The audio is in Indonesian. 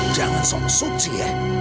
jangan sok suci ya